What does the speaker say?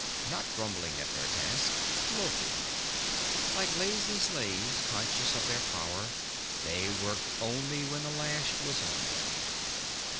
Not grumbling at their task. Loafing. Like lazy slaves conscious of their power, they worked only when the lash was on them.